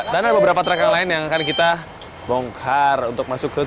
dan ada beberapa truck yang lain yang akan kita bongkar untuk masuk ke garage